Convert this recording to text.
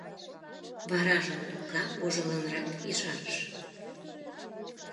Варажым Лука вожылынрак ешарыш: